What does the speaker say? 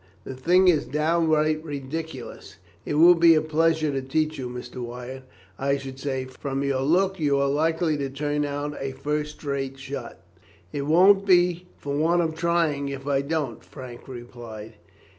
The thing is downright ridiculous! It will be a pleasure to teach you, Mr. Wyatt. I should say, from your look, you are likely to turn out a first rate shot." "It won't be for want of trying if I don't," Frank replied.